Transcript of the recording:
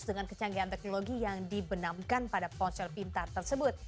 dengan kecanggihan teknologi yang dibenamkan pada ponsel pintar tersebut